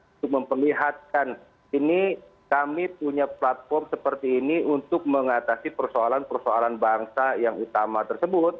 untuk memperlihatkan ini kami punya platform seperti ini untuk mengatasi persoalan persoalan bangsa yang utama tersebut